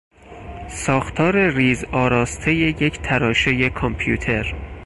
ساختار ریزآراستهی یک تراشهی کامپیوتر